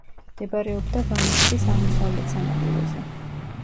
მდებარეობდა ვანის ტბის აღმოსავლეთ სანაპიროზე.